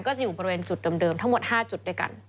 ก็จะอยู่บริเวณจุดเลยทั้ง๕จุดด้วยกัน